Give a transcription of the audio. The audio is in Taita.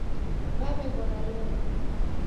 W'aweghora loli.